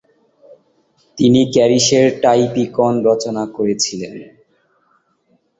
তিনি ক্যারিসের টাইপিকন রচনা করেছিলেন।